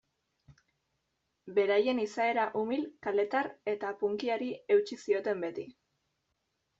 Beraien izaera umil, kaletar eta punkyari eutsi zioten beti.